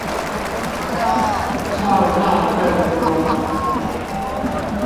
創造更多